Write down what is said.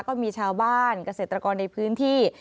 ก็มีชาวบ้านเกษตรกรในพื้นที่